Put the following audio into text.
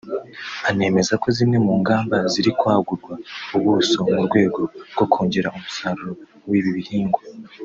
anemeza ko zimwe mu nganda ziri kwagurwa ubuso mu rwego rwo kongera umusaruro w’ibi bihingwa